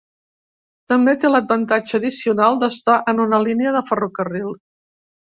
També té l'avantatge addicional d'estar en una línia de ferrocarril.